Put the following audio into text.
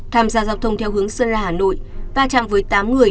tham gia giao thông theo hướng sơn la hà nội va chạm với tám người